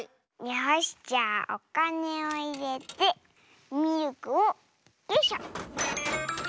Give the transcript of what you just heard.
よしじゃあおかねをいれてミルクをよいしょ！